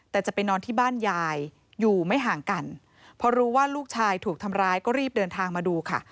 แต่จะไปนอนที่บ้านยายอยู่ไม่ห่างกันพอรู้ว่าลูกชายถูกทำร้ายก็รีบเดินทางมาดูค่ะ